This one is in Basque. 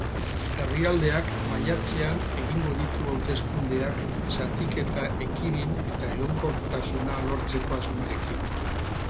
Herrialdeak maiatzean egingo ditu hauteskundeak zatiketa ekidin eta egonkortasuna lortzeko asmoarekin.